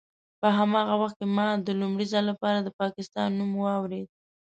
په هماغه وخت کې ما د لومړي ځل لپاره د پاکستان نوم واورېد.